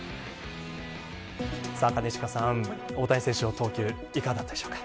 兼近さん、大谷選手の投球いかがだったでしょうか。